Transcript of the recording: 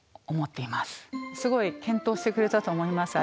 すごい健闘してくれたと思います。